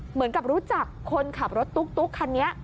เหมือนกับรู้จักคนขับรถตุ๊กคันนี้